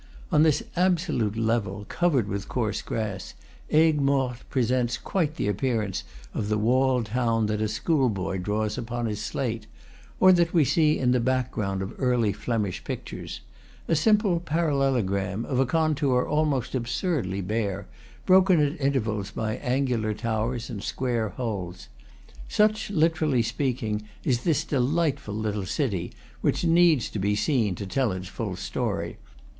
On this absolute level, covered with coarse grass, Aigues Mortes presents quite the appearance of the walled town that a school boy draws upon his slate, or that we see in the background of early Flemish pictures, a simple parallelogram, of a contour almost absurdly bare, broken at intervals by angular towers and square holes. Such, literally speak ing, is this delightful little city, which needs to be seen to tell its full story.